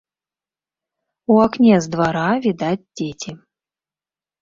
У акне з двара відаць дзеці.